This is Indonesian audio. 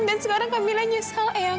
dan sekarang kamila nyesal ayah